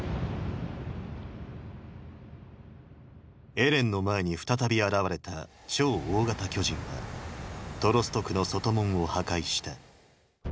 エレンの前に再び現れた「超大型巨人」はトロスト区の外門を破壊した。